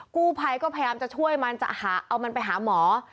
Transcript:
กู้ภัยก็พยายามจะช่วยมันจะหาเอามันไปหาหมอ